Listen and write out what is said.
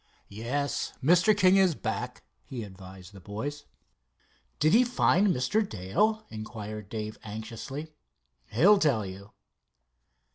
"Yes, Mr. King is back," he advised the boys. "Did he find Mr. Dale?" inquired Dave anxiously. "He'll tell you."